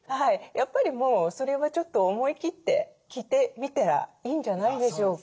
やっぱりもうそれはちょっと思い切って聞いてみたらいいんじゃないでしょうか。